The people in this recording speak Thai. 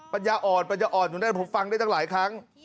ปัญญาอ่อนปัญญาอ่อนตรงนั้นผมฟังได้ตั้งหลายครั้ง